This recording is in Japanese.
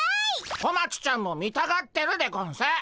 小町ちゃんも見たがってるでゴンス。